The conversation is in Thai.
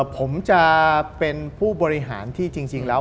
ผมจะเป็นผู้บริหารที่จริงแล้ว